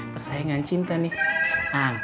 persaingan cinta nih